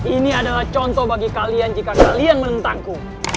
ini adalah contoh bagi kalian jika kalian menentangku